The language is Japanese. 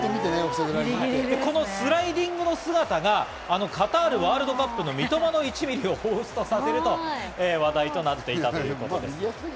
このスライディングの姿があのカタールワールドカップの「三笘の１ミリ」を彷彿させると話題となっていたということです。